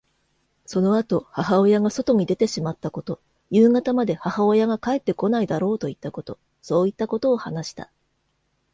そのあと母親が外に出てしまったこと、夕方まで母親が帰ってこないだろうといったこと、そういったことを話した。